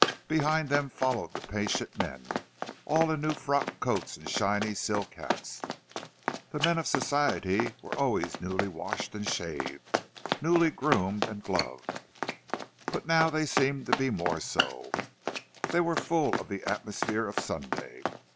Behind them followed the patient men, all in new frock coats and shiny silk hats; the men of Society were always newly washed and shaved, newly groomed and gloved, but now they seemed to be more so—they were full of the atmosphere of Sunday.